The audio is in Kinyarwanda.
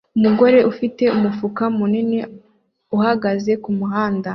Umugore ufite umufuka munini uhagaze kumuhanda